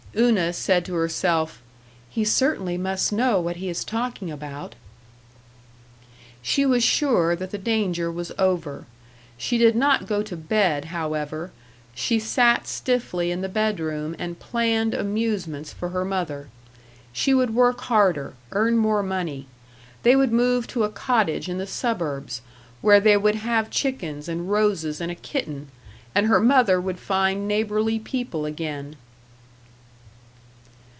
Una said to herself, "He certainly must know what he is talking about." She was sure that the danger was over. She did not go to bed, however. She sat stiffly in the bedroom and planned amusements for her mother. She would work harder, earn more money. They would move to a cottage in the suburbs, where they would have chickens and roses and a kitten, and her mother would find neighborly people again.